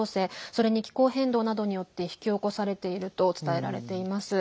それに気候変動などによって引き起こされていると伝えられています。